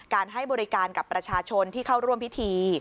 ให้บริการกับประชาชนที่เข้าร่วมพิธี